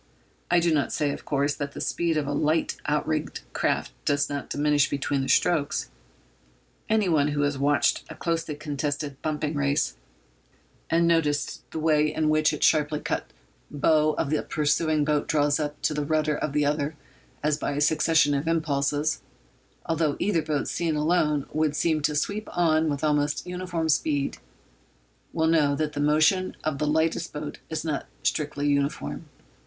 I do not say, of course, that the speed of a light outrigged craft does not diminish between the strokes. Anyone who has watched a closely contested bumping race, and noticed the way in which the sharply cut bow of the pursuing boat draws up to the rudder of the other as by a succession of impulses, although either boat seen alone would seem to sweep on with almost uniform speed, will know that the motion of the lightest boat is not strictly uniform.